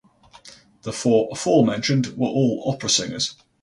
The four aforementioned were all opera singers.